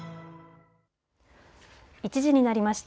１時になりました。